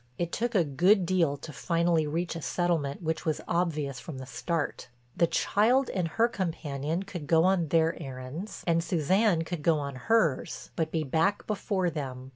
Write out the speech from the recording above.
It took a good deal to finally reach a settlement which was obvious from the start. The child and her companion could go on their errands and Suzanne could go on hers, but be back before them.